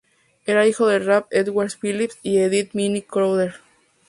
Era hijo de Ralph Edwards Phillips y de Edith Minnie Crowder.